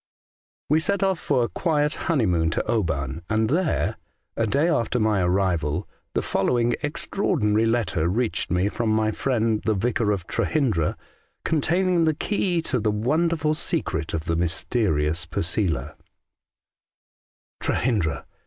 43 We set off for a quiet honeymoon to Oban, and there, a day after my arrival, the following extraordinary letter reached me from my friend the Vicar of Trehyndra, containing the key to the wonderful secret of the mysterious Posela :—'' Trehyndra.